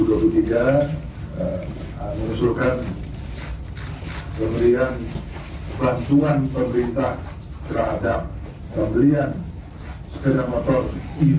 terhadap pemberian sepeda motor ev